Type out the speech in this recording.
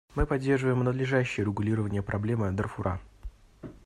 Мы поддерживаем надлежащее урегулирование проблемы Дарфура.